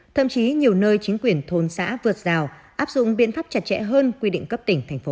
thậm chí nhiều nơi chính quyền thôn xã vượt rào áp dụng biện pháp chặt chẽ hơn quy định cấp tỉnh thành phố